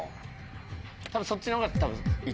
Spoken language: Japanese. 多分そっちの方が。